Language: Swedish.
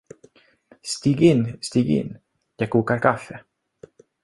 Stig in, stig in! Jag kokar kaffe.